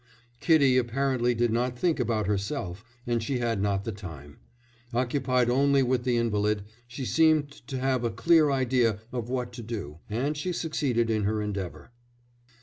Kitty apparently did not think about herself, and she had not the time. Occupied only with the invalid, she seemed to have a clear idea of what to do; and she succeeded in her endeavour."